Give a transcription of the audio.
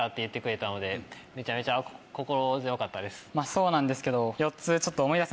そうなんですけど。